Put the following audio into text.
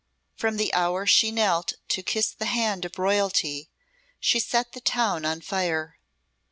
From the hour she knelt to kiss the hand of royalty she set the town on fire.